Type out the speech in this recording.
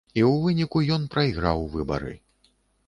І ў выніку ён прайграў выбары.